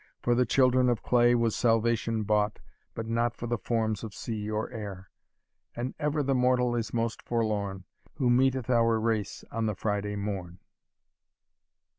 For the children of clay was salvation bought, But not for the forms of sea or air! And ever the mortal is most forlorn. Who meeteth our race on the Friday morn."